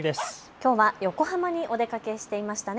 きょうは横浜にお出かけしていましたね。